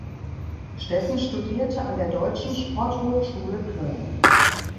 Steffen studierte an der Deutschen Sporthochschule Köln.